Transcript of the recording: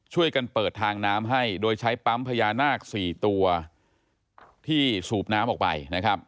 ช่วยกันเปิดทางน้ำให้โดยใช้ปั๊มพญานาค๔ตัวที่สูบน้ำออกไปนะครับ